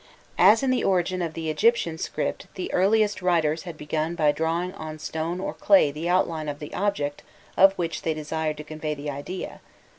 As in the origin of the Egyptian script the earliest writers had begun by drawing on stone or clay the outline of the object of which they desired to convey the idea.